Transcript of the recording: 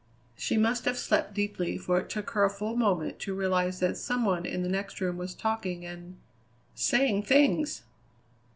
She must have slept deeply, for it took her a full moment to realize that some one in the next room was talking and saying things!